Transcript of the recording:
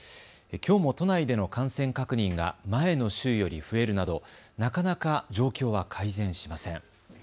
きょうも都内での感染確認が前の週より増えるなどなかなか状況は改善しません。